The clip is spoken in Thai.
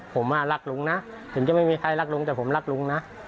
ผมรักลุงนะถึงจะไม่มีใครรักลุงแต่ผมรักลุงนะ